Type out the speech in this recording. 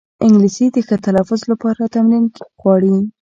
انګلیسي د ښه تلفظ لپاره تمرین غواړي